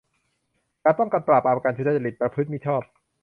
การป้องกันปราบปรามการทุจริต ประพฤติมิชอบ